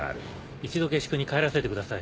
一度下宿に帰らせてください